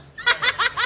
ハハハハ！